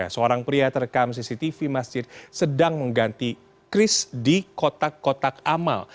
seorang pria terekam cctv masjid sedang mengganti kris di kotak kotak amal